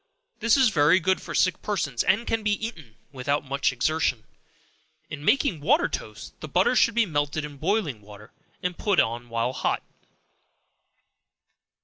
This is very good for sick persons, and can be eaten without much exertion. In making water toast, the butter should be melted in boiling water, and put on while hot.